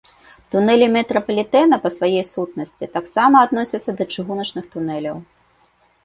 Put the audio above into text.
Тунэлі метрапалітэна па сваёй сутнасці таксама адносяцца да чыгуначных тунэляў.